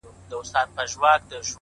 ستا د سوځلي زړه ايرو ته چي سجده وکړه”